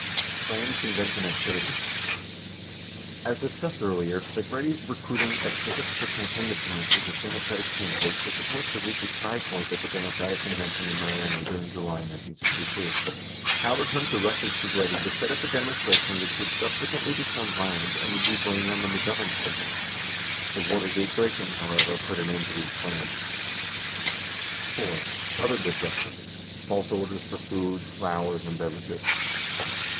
22 Planned Convention Activity: As discussed earlier, 23 Segretti's recruiting of pickets for campaign appearances of Democratic can didates was supposed to reach its high point at the Democratic con vention in Miami during July, 1972. Howard Hunt directed Segretti to set up a demonstration which would subsequently become violent and would be blamed on the McGovern campaign! The Watergate break in, however, put an end to these plans. (iv) Other Disruptions. — False Orders for Food , Flowers , and Beverages.